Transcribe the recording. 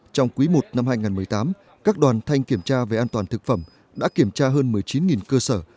trong quý i năm hai nghìn một mươi tám các đoàn thanh kiểm tra về an toàn thực phẩm đã kiểm tra hơn một mươi chín cơ sở